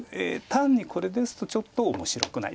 単にこれですとちょっと面白くない。